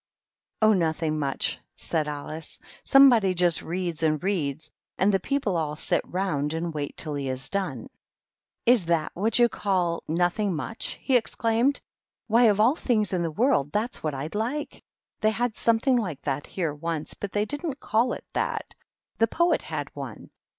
"Oh, nothing much," replied Alice. "Some body just reads and reads, and the people all sit round and wait till he is done." THE MOCK TURTLE. 223 " Is, that what you call ^ nothing much^ f " he exclaimed. "Why, of all things in the worlds that's what I'd like. They had something like that here once, but they didn't call it that. The Poet had one.